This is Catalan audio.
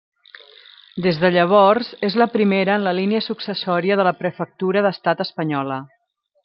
Des de llavors és la primera en la línia successòria de la prefectura d'Estat espanyola.